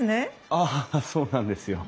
ああそうなんですよ。